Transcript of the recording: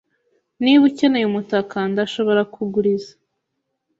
Niba ukeneye umutaka, ndashobora kuguriza.